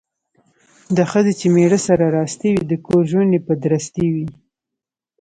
د ښځې چې میړه سره راستي وي ،د کور ژوند یې په درستي وي.